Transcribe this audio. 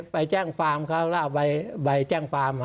ไปแจ้งฟาร์มเขาแล้วเอาใบแจ้งฟาร์ม